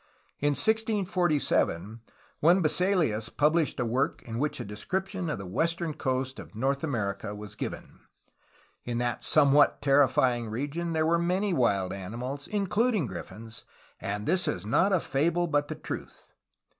In 1647 one Bisselius pubHshed a work in which a descrip tion of the western coast of North America was given. In that somewhat terrifying region there were many wild ani mals, including griffins, *^and this is not a fable but the truth."